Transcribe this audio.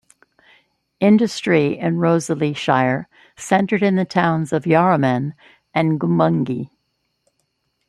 Industry in Rosalie Shire centred on the towns of Yarraman and Goombungee.